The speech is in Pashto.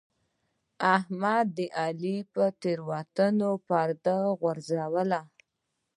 احمد د علي پر تېروتنو پرده وغوړوله.